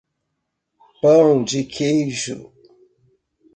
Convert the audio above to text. Pão de queijo.